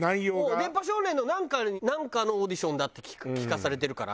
『電波少年』のなんかのオーディションだって聞かされてるから。